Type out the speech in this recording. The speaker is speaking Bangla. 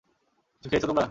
কিছু খেয়েছ তোমরা?